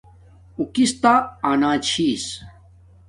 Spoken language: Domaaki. اُو کس تا آنا چھس